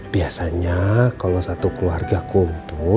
biasanya kalau satu keluarga kumpul